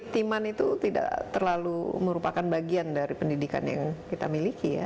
timman itu tidak terlalu merupakan bagian dari pendidikan yang kita miliki ya